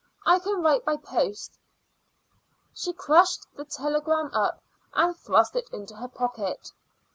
"I can write by post." She crushed the telegram up and thrust it into her pocket.